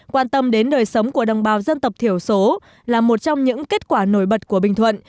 quan tâm đến đời sống của đồng bào dân tộc thiểu số là một trong những kết quả nổi bật của bình thuận